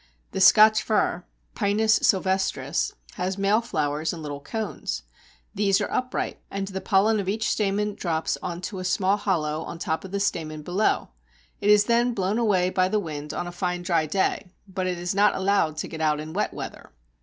The Scotch fir (Pinus sylvestris) has male flowers in little cones. These are upright, and the pollen of each stamen drops on to a small hollow on the top of the stamen below. It is then blown away by the wind on a fine dry day, but it is not allowed to get out in wet weather.